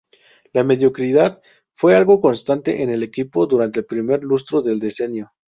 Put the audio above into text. La mediocridad fue algo constante en el equipo durante el primer lustro del decenio.